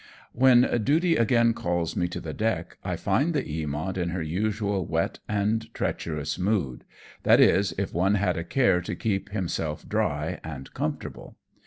When duty again calls me to the deck, I find the 'Eamont in her usual wet and treacherous mood ; that is, if one had a care to keep himself dry and com fortable.